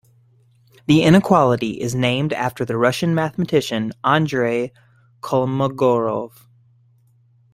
The inequality is named after the Russian mathematician Andrey Kolmogorov.